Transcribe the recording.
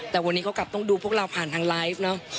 แต่วันนี้เขากลับต้องดูพวกเราผ่านทางไลฟ์เนอะ